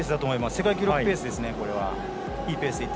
世界記録ペースですね。